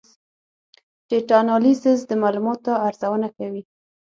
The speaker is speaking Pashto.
ډیټا انالیسز د معلوماتو ارزونه کوي.